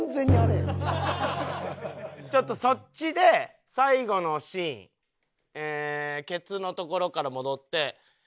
ちょっとそっちで最後のシーンケツのところから戻って。